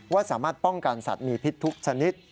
ว่าสามารถป้องกันสัตว์มีพิษทุกชนิด